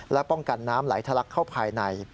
และป้องกันน้ำไหลทะลักเข้าภายใน